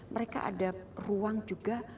mereka ada ruang juga